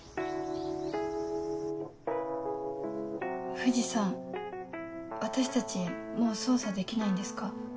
藤さん私たちもう捜査できないんですか？